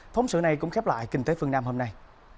phóng sự này cũng khép lại kinh tế phương nam hôm nay